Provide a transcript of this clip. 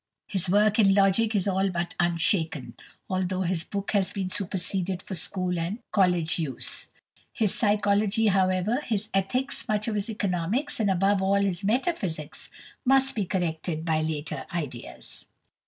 His work in logic is all but unshaken, although his book has been superseded for school and college use. His psychology, however, his ethics, much of his economics, and above all, his metaphysics, must be corrected by later ideas.